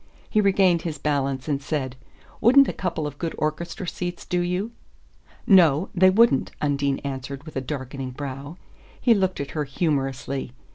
He regained his balance and said: "Wouldn't a couple of good orchestra seats do you?" "No; they wouldn't," Undine answered with a darkening brow. He looked at her humorously.